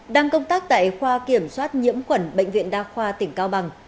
đang công tác tại khoa kiểm soát nhiễm quẩn bệnh viện đa khoa tỉnh cao bằng